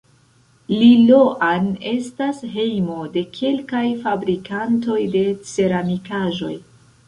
Liloan estas hejmo de kelkaj fabrikantoj de ceramikaĵoj.